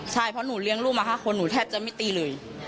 ใช่เพราะหนูเลี้ยงลูกมา๕คนหนูแทบจะไม่ตีเลย